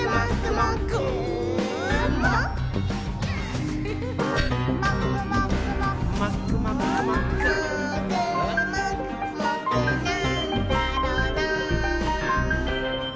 「もーくもくもくなんだろなぁ」